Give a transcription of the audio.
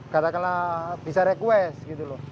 katakanlah bisa request gitu loh